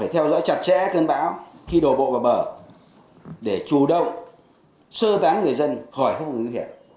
phải theo dõi chặt chẽ cơn bão khi đổ bộ vào bờ để chủ động sơ tán người dân khỏi các vùng nguy hiểm